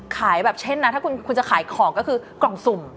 ขายแบบเช่นนะถ้าคุณจะขายของก็คือกล่องสุ่ม